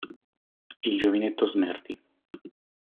Il giovinetto Smerdi.